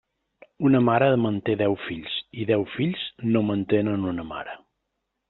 Una mare manté deu fills i deu fills no mantenen una mare.